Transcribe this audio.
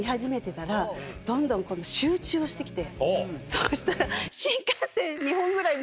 そしたら。